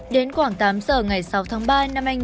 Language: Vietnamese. đến khoảng tám giờ ngày sáu tháng ba năm hai nghìn hai mươi